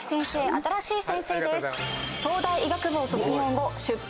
新しい先生です。